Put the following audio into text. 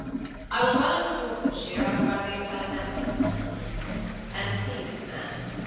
"I will run into Dorsetshire after I leave Southampton," he said, "and see this man.